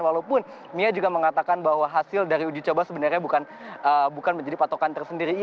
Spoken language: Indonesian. walaupun mia juga mengatakan bahwa hasil dari uji coba sebenarnya bukan menjadi patokan tersendiri